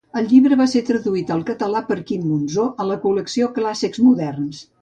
El llibre va ser traduït al català per Quim Monzó, a la col·lecció Clàssics Moderns.